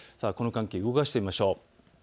この寒気、動かしてみましょう。